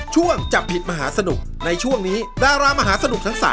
ช่วงจับผิดมหาสนุกในช่วงนี้ดารามหาสนุกทั้ง๓